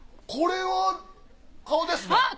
これは顔ですね。